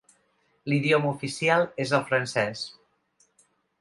L'idioma oficial és el francès.